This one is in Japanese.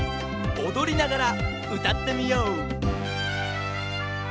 おどりながらうたってみよう！